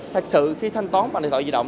thật sự khi thanh toán bằng điện thoại di động